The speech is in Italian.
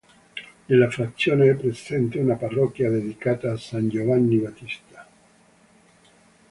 Nella frazione è presente una parrocchia dedicata a San Giovanni Battista.